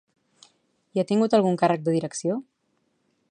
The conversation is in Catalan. I ha tingut algun càrrec de direcció?